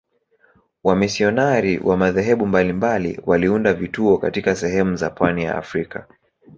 Wamisionari wa madhehebu mbalimbali waliunda vituo katika sehemu za pwani ya Afrika.